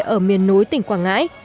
ở miền núi tỉnh quảng ngãi